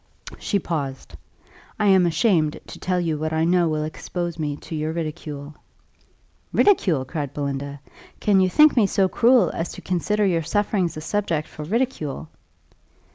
She paused "I am ashamed to tell you what I know will expose me to your ridicule." "Ridicule!" cried Belinda: "can you think me so cruel as to consider your sufferings a subject for ridicule?"